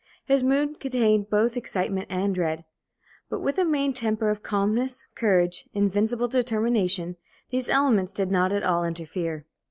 His mood contained both excitement and dread. But with a main temper of calmness, courage, invincible determination, these elements did not at all interfere.